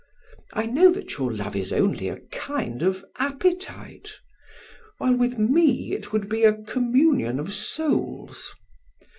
I know that your love is only a kind of appetite; while with me it would be a communion of souls.